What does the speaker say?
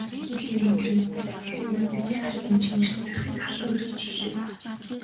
Хөл нь янгинан хөрч байснаа мэдээ алдан чинэрч байгаад халуу оргиж эхлэв.